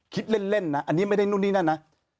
คิดเล่นนะอันนี้ไม่ได้นู่นนี่นั่นนะ